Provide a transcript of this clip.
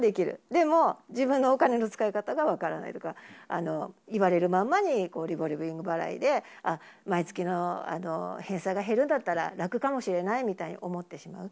でも自分のお金の使い方が分からないとか、言われるまんまにリボルビング払いで、毎月の返済が減るんだったら、楽かもしれないみたいに思ってしまう。